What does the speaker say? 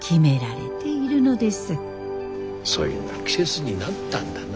そいな季節になったんだな。